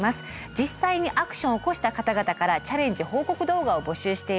実際にアクションを起こした方々からチャレンジ報告動画を募集しています。